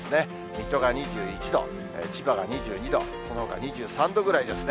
水戸が２１度、千葉が２２度、そのほか２３度ぐらいですね。